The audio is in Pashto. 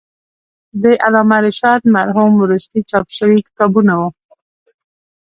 د علامه رشاد مرحوم وروستي چاپ شوي کتابونه و.